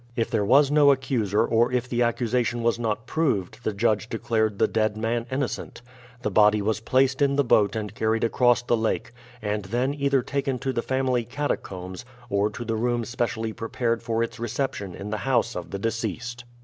If there was no accuser or if the accusation was not proved the judge declared the dead man innocent. The body was placed in the boat and carried across the lake, and then either taken to the family catacombs or to the room specially prepared for its reception in the house of the deceased.